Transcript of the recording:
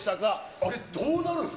あれどうなるんですか？